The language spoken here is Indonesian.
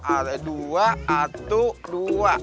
ada dua satu dua